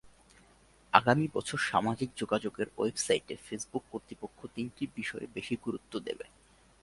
আগামী বছর সামাজিক যোগাযোগের ওয়েবসাইট ফেসবুক কর্তৃপক্ষ তিনটি বিষয়ে বেশি গুরুত্ব দেবে।